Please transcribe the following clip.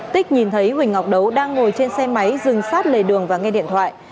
tích nhìn thấy huỳnh ngọc đấu đang ngồi trên xe máy dừng sát lề đường và nghe điện thoại